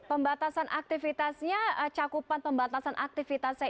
pembatasan aktivitasnya cakupan pembatasan aktivitasnya